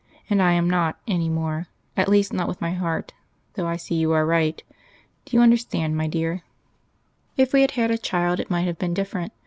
And I am not, any more, at least not with my heart, though I see you are right.... Do you understand, my dear? "If we had had a child, it might have been different.